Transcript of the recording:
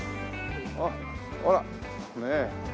あっほらねえ。